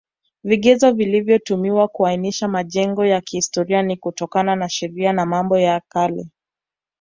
Vigezo vilivyotumiwa kuainisha majengo ya kihistoria ni kutokana na Sheria ya Mambo ya kale